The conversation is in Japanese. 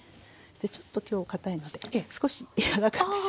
ちょっと今日かたいので少し柔らかくしますけど手の熱で。